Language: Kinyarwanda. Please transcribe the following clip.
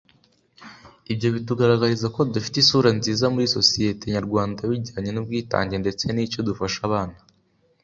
Ibyo bitugaragariza ko dufite isura nziza muri sosiyete nyarwanda bijyanye n’ubwitange ndetse n’icyo dufasha abana